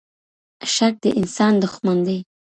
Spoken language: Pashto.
شک د انسان دښمن دی.